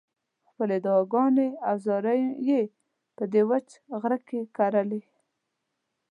خپلې دعاګانې او زارۍ یې په دې وچ غره کې کرلې.